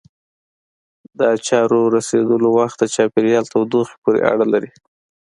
د اچارو رسېدلو وخت د چاپېریال تودوخې پورې اړه لري.